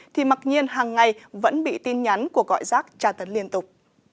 thì mặc nhiên hàng ngày vẫn bị tin nhắn của gọi rác tra tấn liên tục